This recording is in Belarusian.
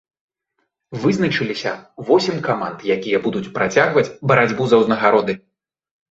Вызначыліся восем каманд, якія будуць працягваць барацьбу за ўзнагароды.